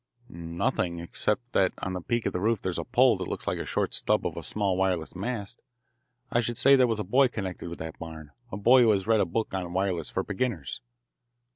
"Nothing, except that on the peak of the roof there is a pole that looks like the short stub of a small wireless mast. I should say there was a boy connected with that barn, a boy who has read a book on wireless for beginners."